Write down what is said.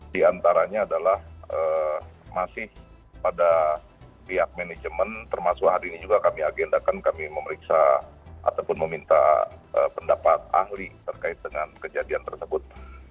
di antaranya adalah masih pada pihak manajemen termasuk hari ini juga kami agendakan kami memeriksa ataupun meminta pendapat ahli terkait dengan kejadian tersebut